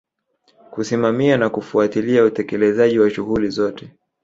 Kusimamia na kufuatilia utekelezaji wa shughuli zote